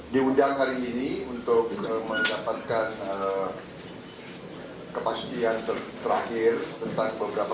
diundang hari ini untuk mendapatkan kepastian terakhir tentang beberapa